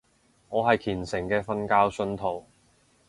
我係虔誠嘅瞓覺信徒